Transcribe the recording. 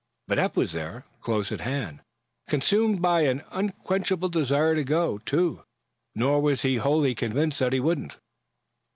But Eph was there, close at hand, consumed by an unquenchable desire to go, too. Nor was he wholly convinced that he wouldn't.